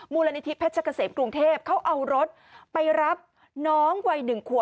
มูลนิธิเพชรเกษมกรุงเทพเขาเอารถไปรับน้องวัย๑ขวบ